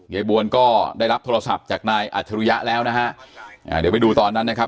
ยายบวนก็ได้รับโทรศัพท์จากนายอัจฉริยะแล้วนะฮะอ่าเดี๋ยวไปดูตอนนั้นนะครับ